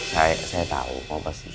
saya tau kalau pasti show